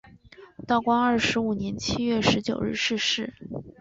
道光二十五年七月十九日逝世。